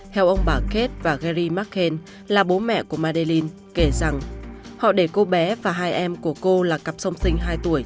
theo ông bà kate và gary marquen là bố mẹ của madeleine kể rằng họ để cô bé và hai em của cô là cặp song sinh hai tuổi